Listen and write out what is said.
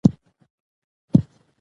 د ناوړه چلند سره محتاط اوسئ.